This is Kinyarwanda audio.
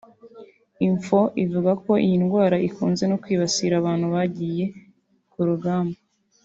Info avuga ko iyi ndwara ikunze no kwibasira abantu bagiye ku rugamba